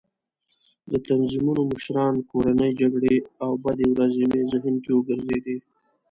د تنظیمونو مشران، کورنۍ جګړې او بدې ورځې مې ذهن کې وګرځېدې.